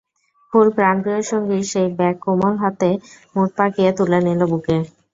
ফুল প্রাণপ্রিয় সঙ্গীর সেই ব্যাগ কোমল হাতে মুঠ পাকিয়ে তুলে নিল বুকে।